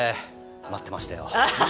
待っていましたよ。